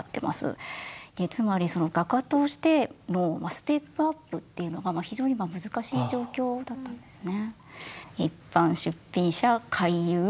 つまり画家としてのステップアップっていうのが非常に難しい状況だったんですね。